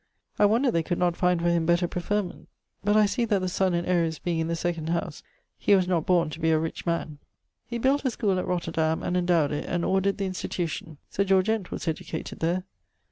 I wonder they could not find for him better preferment; but I see that the Sun and Aries being in the second house, he was not borne to be a rich man. He built a schoole at Roterdam, and endowed it, and ordered the institution. Sir George Ent was educated there.